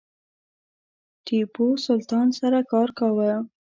ټیپو سلطان سره کار کاوه.